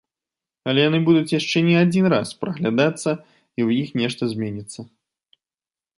Але яны будуць яшчэ не адзін раз праглядацца і ў іх нешта зменіцца.